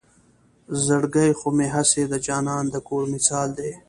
زړګے خو مې هم هسې د جانان د کور مثال دے